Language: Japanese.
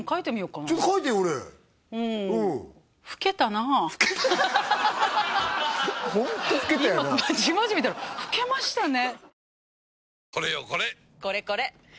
今まじまじ見たら老けましたね